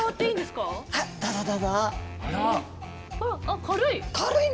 あっ軽い！